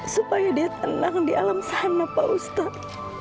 supaya dia tenang di alam sana pak ustadz